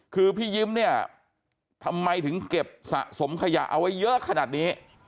คือพี่ยิ้มเนี่ยทำไมถึงเก็บสะสมขยะเอาไว้เยอะขนาดนี้